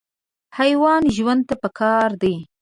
حیوان ژوند ته پکار دی.